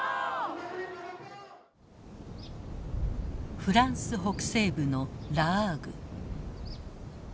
フランス北西部のラアーグ。